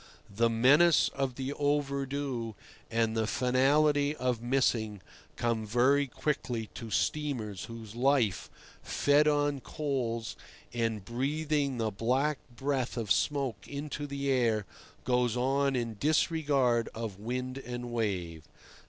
The menace of the "overdue" and the finality of "missing" come very quickly to steamers whose life, fed on coals and breathing the black breath of smoke into the air, goes on in disregard of wind and wave.